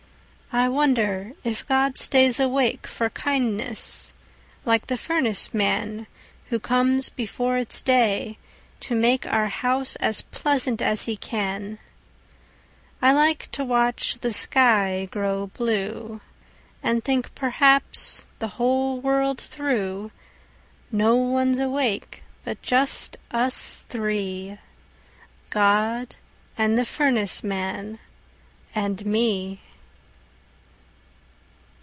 I wonder if God stays awakeFor kindness, like the Furnace manWho comes before it's day, to makeOur house as pleasant as he can…I like to watch the sky grow blue, And think perhaps, the whole world through, No one's awake but just us three—God, and the Furnace man, and me.